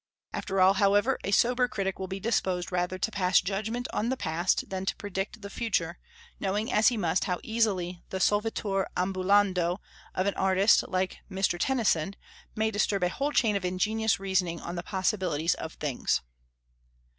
After all, however, a sober critic will be disposed rather to pass judgment on the past than to predict the future, knowing, as he must, how easily the "solvitur ambulando" of an artist like Mr. Tennyson may disturb a whole chain of ingenious reasoning on the possibilities of things.